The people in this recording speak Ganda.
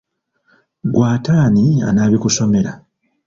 Ggwe ate ani anaabikusomera?